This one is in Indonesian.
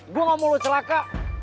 gue gak mau celaka